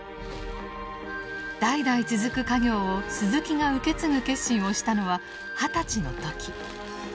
代々続く家業を鈴木が受け継ぐ決心をしたのは二十歳の時。